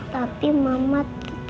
tapi mama tetep